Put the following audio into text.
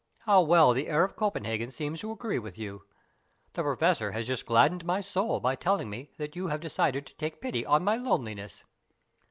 How well the air of Copenhagen seems to agree with you! The Professor has just gladdened my soul by telling me that you have decided to take pity on my loneliness."